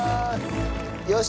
よし！